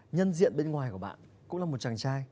nhân diện bên ngoài của bạn cũng là một chàng trai